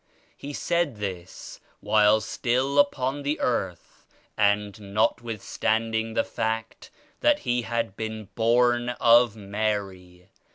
He said this while still upon the earth and notwithstanding the fact that He had been born of Mary.